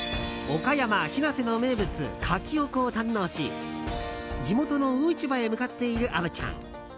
岡山・日生の名物カキオコを堪能し地元の魚市場へ向かっている虻ちゃん。